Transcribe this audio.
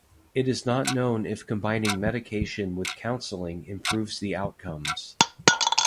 It is not known if combining medication with counseling improves the outcomes.